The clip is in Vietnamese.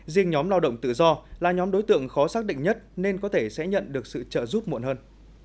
riêng nhóm lao động tự do là nhóm đối tượng khó xác định nhất nên có thể sẽ nhận được sự trợ giúp muộn hơn